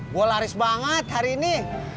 gue laris banget hari ini